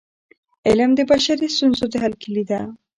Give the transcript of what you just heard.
علم د بشري ستونزو د حل کيلي ده.